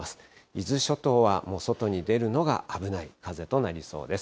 伊豆諸島はもう外に出るのが危ない風となりそうです。